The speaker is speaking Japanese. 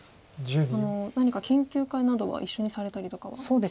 何か研究会などは一緒にされたりとかは。